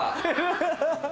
ハハハ！